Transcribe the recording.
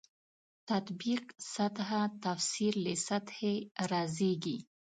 تطبیق سطح تفسیر له سطحې رازېږي.